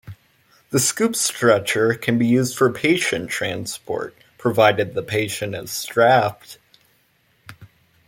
The scoop stretcher can be used for patient transport, provided the patient is strapped.